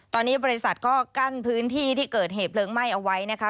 ตอนนี้บริษัทก็กั้นพื้นที่ที่เกิดเหตุเพลิงไหม้เอาไว้นะคะ